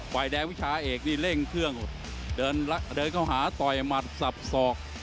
ฝ่ายแดงวิชาเอกนี่เร่งเครื่องเดินเข้าหาต่อยหมัดสับสอก